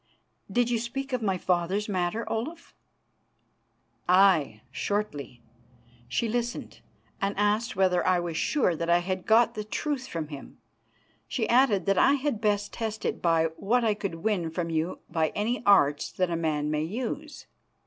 "Did you speak of my father's matter, Olaf?" "Aye, shortly. She listened, and asked whether I were sure that I had got the truth from him. She added that I had best test it by what I could win from you by any arts that a man may use.